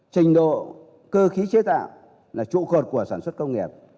trình độ cơ khí chế tạo là trụ cột của sản xuất công nghiệp